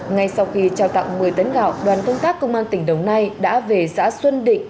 ngay sau khi trao tặng một mươi tấn gạo đoàn công tác công an tỉnh đồng nai đã về xã xuân định